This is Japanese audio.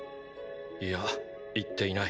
いや言っていない。